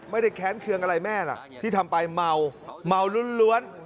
แค้นเคืองอะไรแม่ล่ะที่ทำไปเมาเมาล้วน